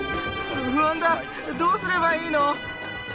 不安だどうすればいいの？